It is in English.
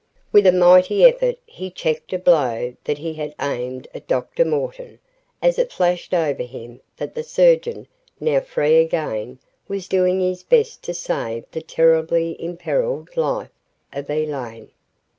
With a mighty effort he checked a blow that he had aimed at Dr. Morton, as it flashed over him that the surgeon, now free again, was doing his best to save the terribly imperilled life of Elaine.